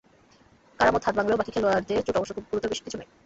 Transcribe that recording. কারামত হাত ভাঙলেও বাকি খেলোয়াড়দের চোট অবশ্য খুব গুরুতর কিছু নয়।